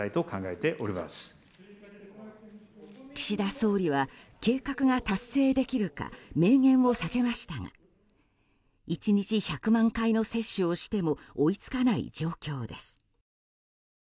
岸田総理は計画が達成できるか明言を避けましたが１日１００万回の接種をしても追いつかない状況です。